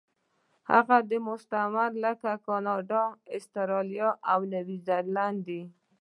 هغه مستعمرې لکه کاناډا، اسټرالیا او نیوزیلینډ دي.